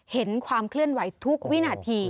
เห็นความเคลื่อนไหวทุกวินาที